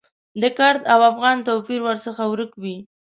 د کرد او افغان توپیر ورڅخه ورک وي.